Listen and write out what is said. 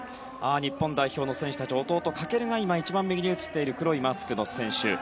日本代表の選手たち弟・翔が今一番右に映っている黒いマスクの選手。